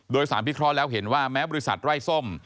โดยสารพิเคราะห์แล้วเห็นว่าแม้บริษัทไร้ส้ม